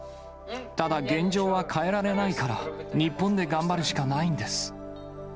ただ、現状は変えられないから、日本で頑張るしかないんです。